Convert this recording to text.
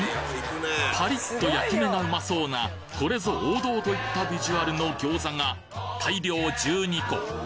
パリッと焼き目がうまそうなこれぞ王道といったビジュアルの餃子が大量１２個。